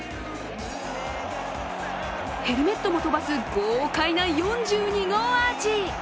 ヘルメットも飛ばす豪快な４２号アーチ。